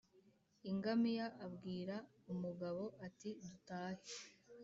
'ingamiya abwira umugabo ati dutahe.